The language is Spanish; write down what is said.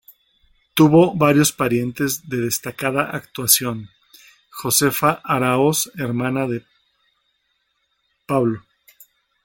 Tuvo varios parientes de destacada actuación: Josefa Aráoz era hermana del Pbro.